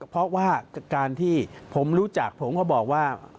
เพราะว่าการที่ผมรู้จักผมก็บอกว่า